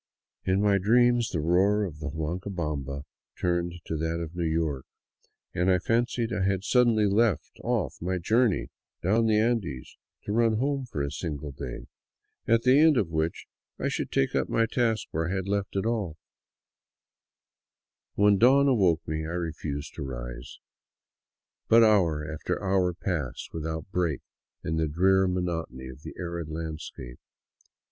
In my dreams the roar of the Huancabamba turned to that of New York, and I fancied I had suddenly left off my journey down the Andes to run home for a single day, at the end of which I should take up my task where I had left off. 252 APPROACHING INCA LAND When dawn awoke me I refused to rise. But hour after hour passed without a break in the drear monotony of the arid landscape.